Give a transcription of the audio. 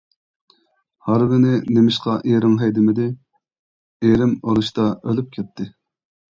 -ھارۋىنى نېمىشقا ئېرىڭ ھەيدىمىدى؟ -ئېرىم ئۇرۇشتا ئۆلۈپ كەتتى.